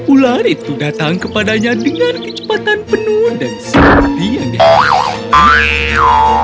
ular itu datang kepadanya dengan kecepatan penuh dan seperti yang dialami amel